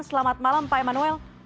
selamat malam pak emanuel